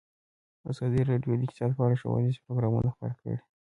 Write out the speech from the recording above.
ازادي راډیو د اقتصاد په اړه ښوونیز پروګرامونه خپاره کړي.